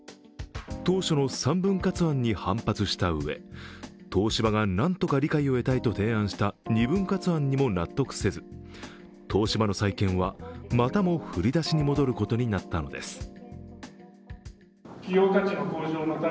当初の３分割案に反発したうえ東芝がなんとか理解を得たいと提案した２分割案にも納得せず、東芝の再建はまたも振り出しに戻ることになったのです。